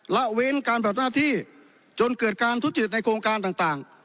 ละเว้นการแบบหน้าที่จนเกิดการทุจริตในโครงการต่าง